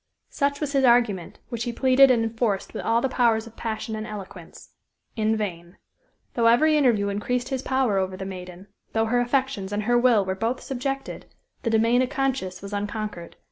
Such was his argument, which he pleaded and enforced with all the powers of passion and eloquence. In vain. Though every interview increased his power over the maiden though her affections and her will were both subjected, the domain of conscience was unconquered.